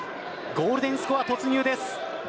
ゴールデンスコア突入です。